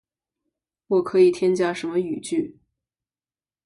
我可以添加什么语句？